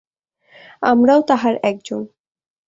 আমরাও তাহার একজন।